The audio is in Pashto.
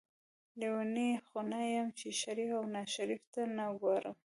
لیونۍ خو نه یم چې شریف او ناشریف ته نه ګورم.